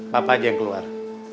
papa aja yang keluar